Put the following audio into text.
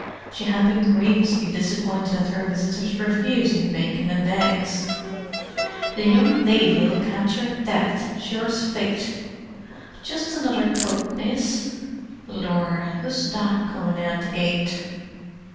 She had been grievously disappointed at her visitors' refusing bacon and eggs. "The young lady'll catch 'er death, sure's fate! Just another cup, miss. Lor, who's that comin' in at the gate!"